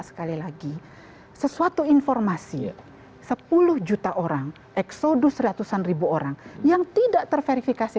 sekali lagi sesuatu informasi sepuluh juta orang eksodus ratusan ribu orang yang tidak terverifikasi